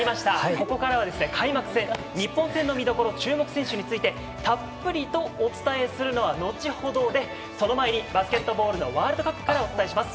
ここからは開幕戦日本戦の見どころ注目選手についてたっぷりとお伝えするのは後ほどでその前に、バスケットボールのワールドカップからお伝えします。